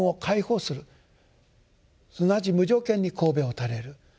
すなわち無条件にこうべを垂れる。